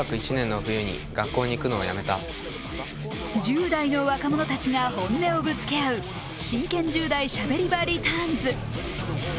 １０代の若者たちが本音をぶつけ合う「真剣１０代しゃべり場リターンズ！！」。